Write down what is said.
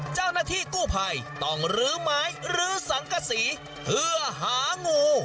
เจ้าหน้าที่กู้ภัยต้องลื้อไม้ลื้อสังกษีเพื่อหางู